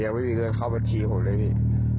ยังไม่มีเงินเข้าบัญชีผมเลยพี่